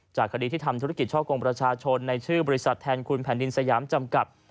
คดีที่ทำธุรกิจช่อกงประชาชนในชื่อบริษัทแทนคุณแผ่นดินสยามจำกัด